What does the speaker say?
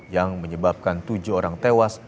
yang menyebabkan tujuh orang tewas